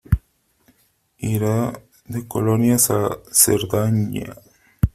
Irá de colonias a la Cerdanya.